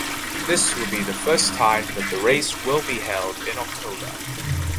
This will be the first time that the race will be held in October.